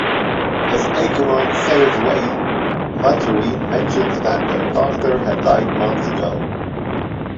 As "Acheron" sails away, Maturin mentions that their doctor had died months ago.